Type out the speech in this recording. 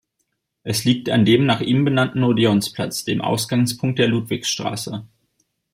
Es liegt an dem nach ihm benannten Odeonsplatz, dem Ausgangspunkt der Ludwigstraße.